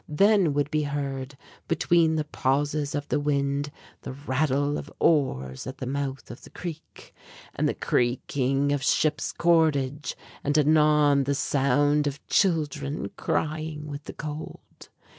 Then would be heard, between the pauses of the wind, the rattle of oars at the mouth of the creek, and the creaking of ships' cordage, and anon the sound of children crying with the cold.